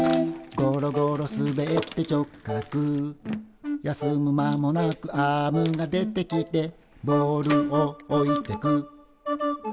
「ごろごろすべって直角」「休む間もなくアームが出てきて」「ボールをおいてく」